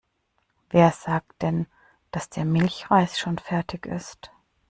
Wer sagt denn, dass der Milchreis schon fertig ist?